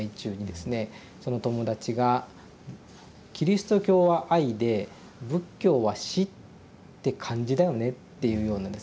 その友達が「キリスト教は愛で仏教は死って感じだよね」っていうようなですね